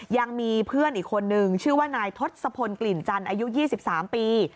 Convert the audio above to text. ยังมีเพื่อนอีกคนนึงชื่อว่านายทศพลกลิ่นจันทร์อายุ๒๓ปี